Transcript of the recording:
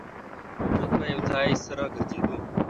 ټوله ورځ به يو ځای سره ګرځېدو.